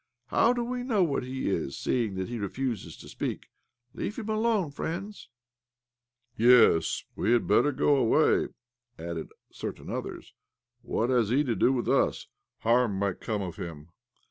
"How do we know what he is, seeing that he refuses to speak ? Leave him alone, friends !"" Yes, we had better go away," added cer tain others. " What has he to do with us? Harm might come of him."